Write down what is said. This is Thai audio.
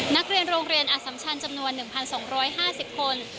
นักเรียนโรงเรียนอสัมชันจำนวน๑๒๕๐คน